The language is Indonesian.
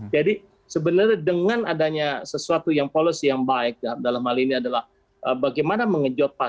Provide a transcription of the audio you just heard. jadi sebenarnya dengan adanya sesuatu yang polos yang baik dalam hal ini adalah bagaimana mengejot pasar